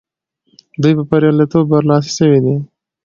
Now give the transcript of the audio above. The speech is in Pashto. دوی په بریالیتوب برلاسي سوي دي.